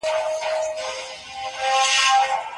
څوک باید ښځه په نکاح کولو مجبوره نه کړي.